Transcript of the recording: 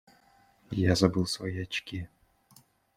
Я забыл свои очки.